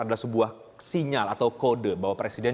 adalah sebuah sinyal atau kode bahwa presiden